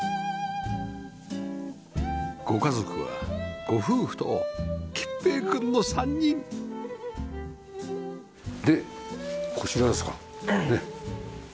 ご家族はご夫婦と桔平くんの３人でこちらですか。